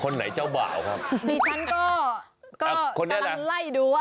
นี่ฉันก็กำลังไล่ดูว่า